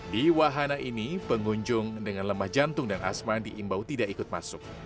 di wahana ini pengunjung dengan lemah jantung dan asma diimbau tidak ikut masuk